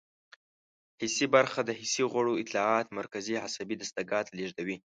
حسي برخه د حسي غړو اطلاعات مرکزي عصبي دستګاه ته لیږدوي.